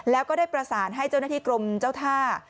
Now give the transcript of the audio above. แล้วก็ได้ประสานให้เจ้าหน้าที่กรมเจ้าท่า